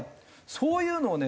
そういうのをね